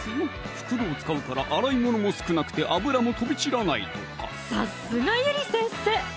袋を使うから洗い物も少なくて油も飛び散らないとかさすがゆり先生！